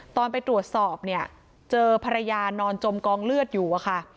ตอนไปตรวจสอบเนี่ยเจอภรรยานอนจมกองเลือดอยู่อะค่ะ